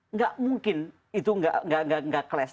nggak mungkin itu nggak cless